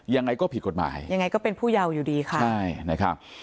อย่างไรก็ผิดกฎหมายยังไงก็เป็นผู้เยาว์อยู่ดีค่ะ